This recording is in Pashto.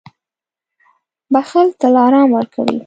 • بښل تل آرام ورکوي.